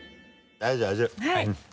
はい。